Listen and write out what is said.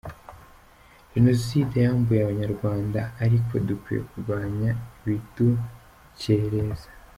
Jenoside yambuye abanyarwanda ariko dukwiye kurwanya ibidukereza.